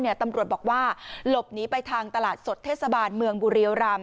ตำรวจบอกว่าหลบหนีไปทางตลาดสดเทศบาลเมืองบุรียรำ